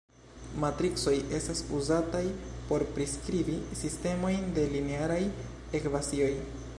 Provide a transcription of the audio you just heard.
Matricoj estas uzataj por priskribi sistemojn de linearaj ekvacioj.